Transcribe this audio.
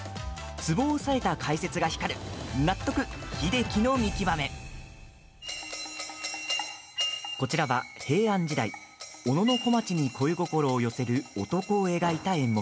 ツボを押さえた解説が光るこちらは平安時代小野小町に恋心を寄せる男を描いた演目。